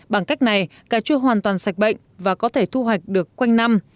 bằng cách này cà chua hoàn toàn sạch bệnh và có thể thu hoạch được quanh năm